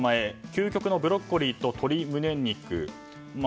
究極のブロッコリーと鶏胸肉